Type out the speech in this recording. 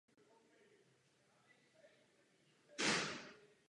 Prostředí a objekty v něm lze ničit.